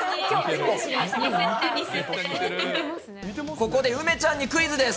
ここで梅ちゃんにクイズです。